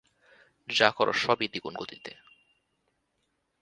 যা করো সবই দ্বিগুণ গতিতে।